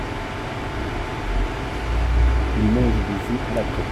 Il mange des œufs à la coque !